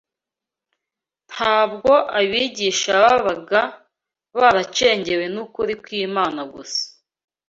Ntabwo abigisha babaga baracengewe n’ukuri kw’Imana gusa